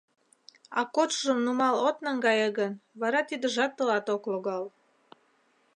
А кодшыжым нумал от наҥгае гын, вара тидыжат тылат ок логал.